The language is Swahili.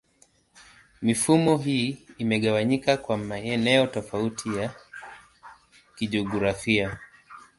Mifumo hii imegawanyika kwa maeneo tofauti ya kijiografia.